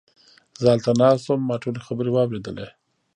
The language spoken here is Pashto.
زه هلته ناست وم، ما ټولې خبرې واوريدې!